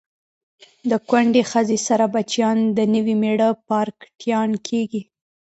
د کونډی خځی سره بچیان د نوي میړه پارکټیان کیږي